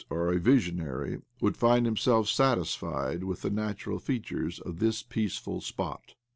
OBLOMOV 79 or a visionary would find himself satisfied with the natural features of this peaceful spot.